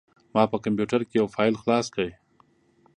ما په کمپوټر کې یو فایل خلاص کړ.